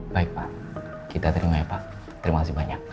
baik pak kita terima ya pak terima kasih banyak